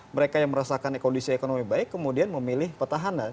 mereka yang merasakan kondisi ekonomi baik kemudian memilih petahana